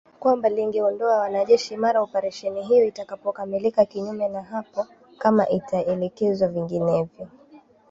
Kwamba lingeondoa wanajeshi mara operesheni hiyo itakapokamilika kinyume na hapo kama itaelekezwa vinginevyo.